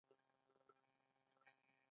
آیا مقالې خپریږي؟